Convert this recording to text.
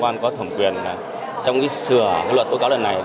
công an có thẩm quyền là trong cái sửa luật tố cáo lần này